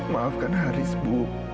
maafkan haris ibu